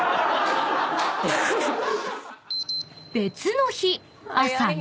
［別の日］